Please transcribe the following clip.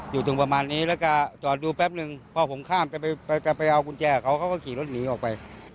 อยู่ตรงประมาณนี้แล้วก็จอดดูแป๊บนึงพอผมข้ามไปจะไปเอากุญแจกับเขาเขาก็ขี่รถหนีออกไป